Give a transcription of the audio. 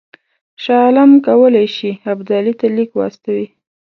شاه عالم کولای شي ابدالي ته لیک واستوي.